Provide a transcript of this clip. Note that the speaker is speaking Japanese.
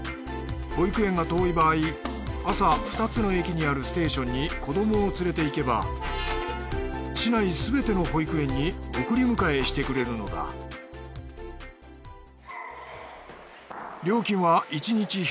保育園が遠い場合朝２つの駅にあるステーションに子供を連れていけば市内すべての保育園に送り迎えしてくれるのだ料金は。